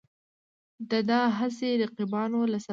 د دا هسې رقیبانو له سببه